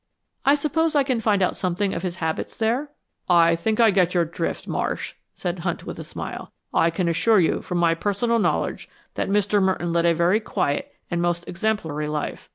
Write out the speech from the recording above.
"I suppose I can find out something of his habits there." "I think I get your drift, Marsh," said Hunt, with a smile. "I can assure you from my personal knowledge, that Mr. Merton has led a very quiet and most exemplary life.